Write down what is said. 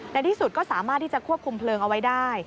ในที่สุดก็สามารถที่จะควบคุมเพลิงเอาไว้ได้